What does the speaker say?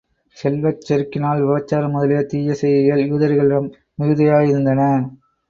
செல்வச் செருக்கினால் விபச்சாரம் முதலிய தீய செய்கைகள் யூதர்களிடம் மிகுதியாயிருந்தன.